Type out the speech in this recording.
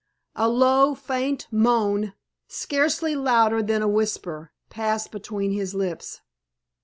A low, faint moan, scarcely louder than a whisper, passed between his lips.